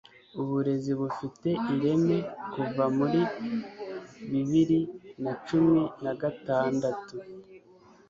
Uburezi bufite ireme Kuva muri bibiri na cumi na gatandatu